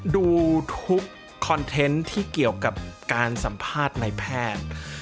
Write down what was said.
ดูทุกคอนเทนต์ที่เกี่ยวกับการสัมภาษณ์ในแพทย์